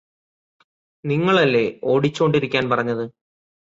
നിങ്ങളല്ലേ ഓടിച്ചോണ്ടിരിക്കാന് പറഞ്ഞത്